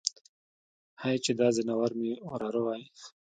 هی چې دا ځناور مې وراره وای.